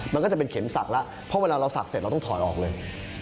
มันก็จะเป็นเข็มสักนะเวลาเราสักเสร็จต้องถอยออกเลย